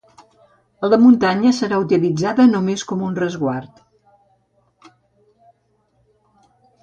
La muntanya serà utilitzada només com un resguard.